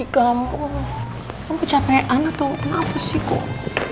kamu kecapean atau apa sih kok